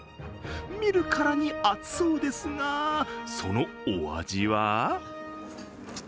見るからに熱そうですがそのお味は？